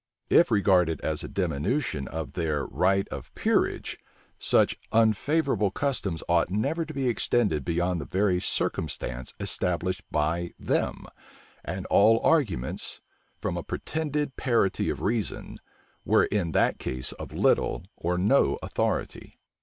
If regarded as a diminution of their right of peerage, such unfavorable customs ought never to be extended beyond the very circumstance established by them; and all arguments, from a pretended parity of reason, were in that case of little or no authority.